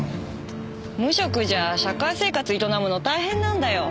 無職じゃ社会生活営むの大変なんだよ。